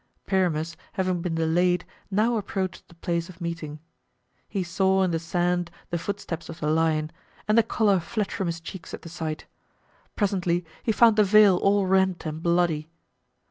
Pyramus, having been delayed, now approached the place of meeting. He saw in the sand the footsteps of the lion, and the color fled from his cheeks at the sight. Presently he found the veil all rent and bloody.